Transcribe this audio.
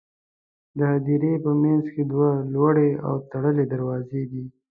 د هدیرې په منځ کې دوه لوړې او تړلې دروازې دي.